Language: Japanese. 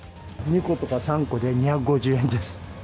２個とか３個で２５０円です。